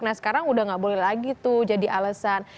nah sekarang udah nggak boleh lagi tuh jadi alesan